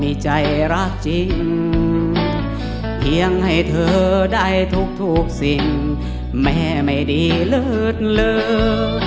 มีใจรักจริงเพียงให้เธอได้ทุกสิ่งแม่ไม่ดีเลิศเลอ